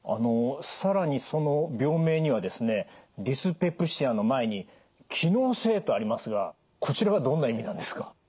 更にその病名にはですね「ディスペプシア」の前に「機能性」とありますがこちらはどんな意味なんですか？